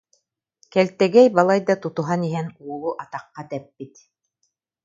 Кэлтэгэй балайда тутуһан иһэн уолу атахха тэппит